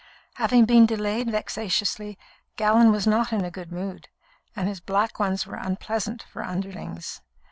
Having been delayed vexatiously, Gallon was not in a good mood, and his black ones were unpleasant for underlings.